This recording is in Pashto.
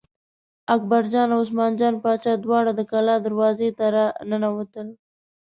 اکبرجان او عثمان جان باچا دواړه د کلا دروازې ته را ننوتل.